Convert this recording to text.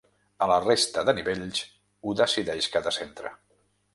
A la resta de nivells ho decideix cada centre.